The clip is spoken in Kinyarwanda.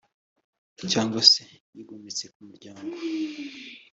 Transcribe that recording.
cyangwa se yigometse ku muryango